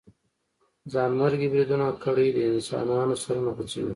ځانمرګي بريدونه کړئ د انسانانو سرونه غوڅوئ.